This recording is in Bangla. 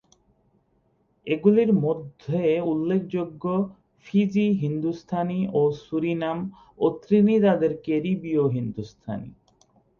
এগুলির মধ্যে উল্লেখযোগ্য ফিজি হিন্দুস্তানি ও সুরিনাম ও ত্রিনিদাদের ক্যারিবীয় হিন্দুস্তানি।